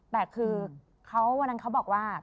แต่คือวันนั้นเขาบอกว่า